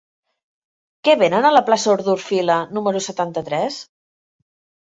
Què venen a la plaça d'Orfila número setanta-tres?